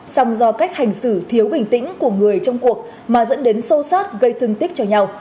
song do cách hành xử thiếu bình tĩnh của người trong cuộc mà dẫn đến sâu sát gây thương tích cho nhau